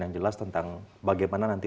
yang jelas tentang bagaimana nanti